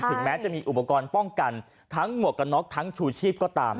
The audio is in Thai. แม้จะมีอุปกรณ์ป้องกันทั้งหมวกกันน็อกทั้งชูชีพก็ตาม